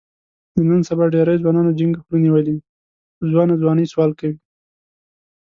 د نن سبا ډېری ځوانانو جینګه خوله نیولې وي، په ځوانه ځوانۍ سوال کوي.